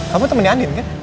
kamu temennya andien kan